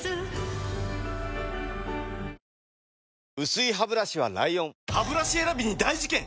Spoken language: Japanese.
薄いハブラシは ＬＩＯＮハブラシ選びに大事件！